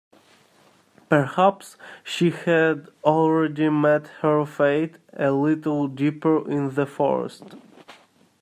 Perhaps she had already met her fate a little deeper in the forest.